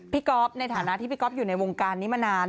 ก๊อฟในฐานะที่พี่ก๊อฟอยู่ในวงการนี้มานาน